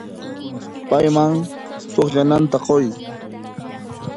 Payman pukllananta quy.